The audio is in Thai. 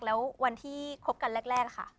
แล้ววันที่คบกันแรกค่ะ